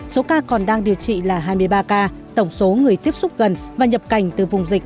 số ca còn đang điều trị là hai mươi ba ca tổng số người tiếp xúc gần và nhập cảnh từ vùng dịch